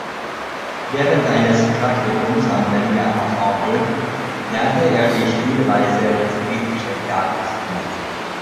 Während eines Praktikums am Berliner Ensemble lernte er die Spielweise des epischen Theaters kennen.